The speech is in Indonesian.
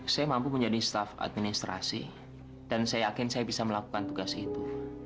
saya mampu menjadi staff administrasi dan saya yakin saya bisa melakukan tugas itu